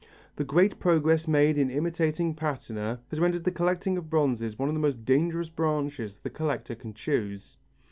The great progress made in imitating patina, has rendered the collecting of bronzes one of the most dangerous branches the collector can choose.